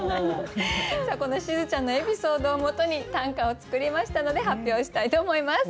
さあこのしずちゃんのエピソードを基に短歌を作りましたので発表したいと思います。